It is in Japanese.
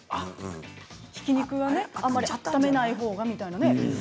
ひき肉はねあんまりあっためないほうがみたいなね。